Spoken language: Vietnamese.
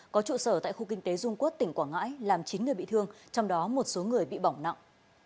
có trụ sở tại khu kinh tế dung quốc tỉnh quảng ngãi làm chín người bị thương trong đó một số người bị bỏng nặng